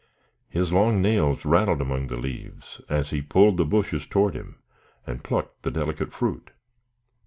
His long nails rattled among the leaves, as he pulled the bushes toward him, and plucked the delicate fruit.